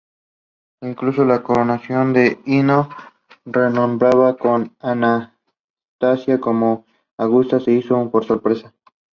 It is also applied to colour some glasses and enamels.